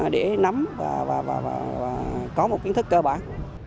để nắm và có một kiến thức cơ bản